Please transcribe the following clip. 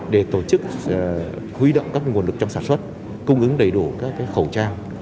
để tổ chức huy động các nguồn lực trong sản xuất cung ứng đầy đủ các khẩu trang